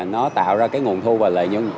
nó tạo ra cái nguồn thu và lợi nhuận